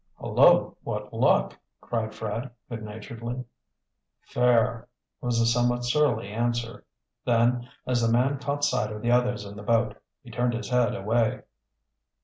"Hullo, what luck?" cried Fred, good naturedly. "Fair," was the somewhat surly answer. Then, as the man caught sight of the others in the boat, he turned his head away.